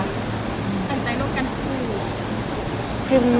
ตัดสินใจร่วมกันคือ